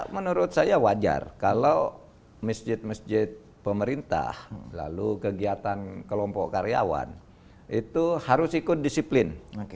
menurut saya wajar kalau masjid masjid pemerintah lalu kegiatan kelompok karyawan itu harus ikut disiplin